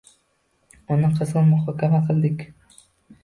Uni qizg‘in muhokama qildik.